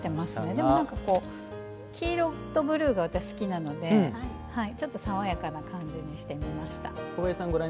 でも黄色とブルーが私、好きなのでちょっと爽やかな感じにしてみました。